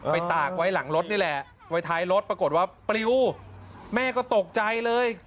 ตากไว้หลังรถนี่แหละไว้ท้ายรถปรากฏว่าปลิวแม่ก็ตกใจเลย